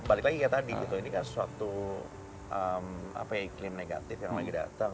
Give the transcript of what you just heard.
balik lagi seperti tadi ini kan sesuatu apa ya iklim negatif yang lagi datang